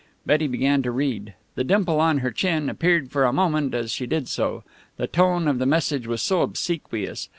Betty began to read. The dimple on her chin appeared for a moment as she did so. The tone of the message was so obsequious.